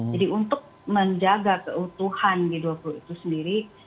jadi untuk menjaga keutuhan g dua puluh itu sendiri